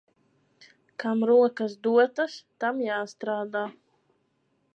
Kam rokas dotas, tam jāstrādā.